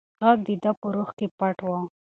غږ د ده په روح کې پټ و.